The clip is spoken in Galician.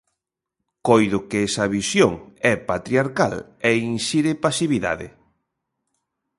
Coido que esa visión é patriarcal e insire pasividade.